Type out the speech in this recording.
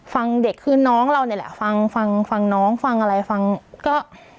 ฟังเด็กคือน้องเรานี่แหละฟังฟังฟังน้องฟังอะไรฟังก็